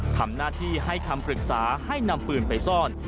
ทำหน้าที่ให้คำปรึกษาให้นำปืนไปซ่อน